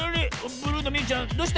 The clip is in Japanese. ブルーのみゆちゃんどうした？